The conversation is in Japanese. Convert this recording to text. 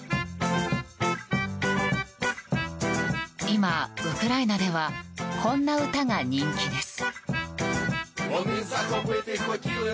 今、ウクライナではこんな歌が人気です。